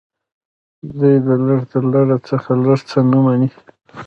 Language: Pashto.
دوی د لږ تر لږه څخه لږ څه نه مني